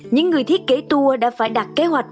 những người thiết kế tour đã phải đặt kế hoạch